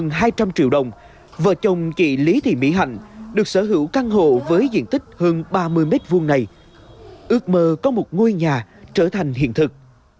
năm hai nghìn một mươi chín với hơn hai trăm linh triệu đồng vợ chồng chị lý thị mỹ hạnh được sở hữu căn hộ với diện tích hơn ba mươi m hai này ước mơ có một ngôi nhà trở thành hiện thực